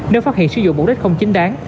nếu phát hiện sử dụng bổ đất không chính đáng